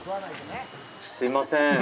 すいません。